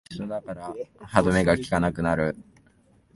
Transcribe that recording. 友達と一緒だから歯止めがきかなくなる